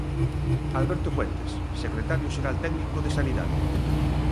Alberto Fuentes, secretario xeral técnico de Sanidade.